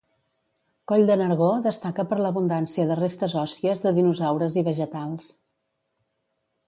Coll de Nargó destaca per l'abundància de restes òssies de dinosaures i vegetals.